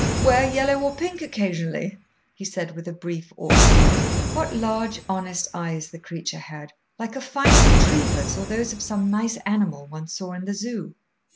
"Wear yellow or pink occasionally," he said with a brief, awkward laugh. What large, honest eyes the creature had, like a fine retriever's or those of some nice animal one saw in the Zoo!